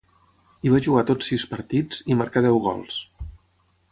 Hi va jugar tots sis partits, i marcà deu gols.